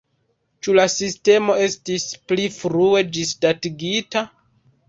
Ĉu la sistemo estis pli frue ĝisdatigita?